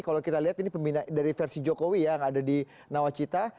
kalau kita lihat ini pembina dari versi jokowi yang ada di nawacita